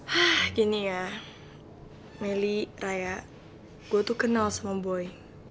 hah gini ya melly raya gue tuh kenal sama boy